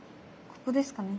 ここですかね。